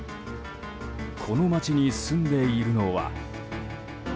この街に住んでいるのは。